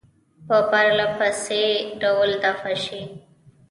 په پرله پسې ډول دفع شي.